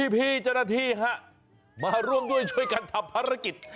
พี่เจ้าหน้าที่มาร่วมด้วยช่วยกันทำภารกิจ